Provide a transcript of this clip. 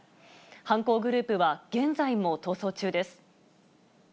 犯行グループは現在も逃走中です。